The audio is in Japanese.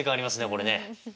これね。